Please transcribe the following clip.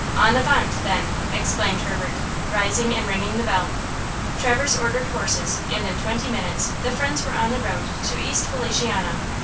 "En avant, then," exclaimed Herbert, rising and ringing the bell. Traverse ordered horses, and in twenty minutes the friends were on the road to East Feliciana.